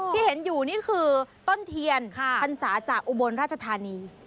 ที่เห็นอยู่นี่คือต้นเทียนพรรษาจากอุบลราชธานี